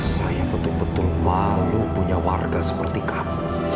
saya betul betul malu punya warga seperti kamu